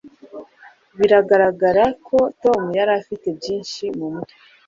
Biragaragara ko Tom yari afite byinshi mumutwe